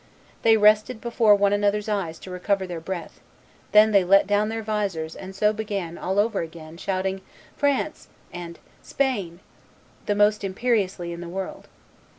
They rested before one another's eyes to recover their breath; then they let down their vizors and so began all over again, shouting, France! and Spain! the most imperiously in the world.